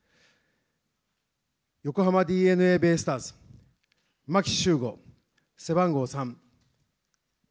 横浜ＤｅＮＡベイスターズ、牧秀悟、背番号３。